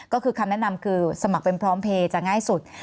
ก็คือคำแนะนำคือสมัครเป็นพร้อมเพลย์จะง่ายสุด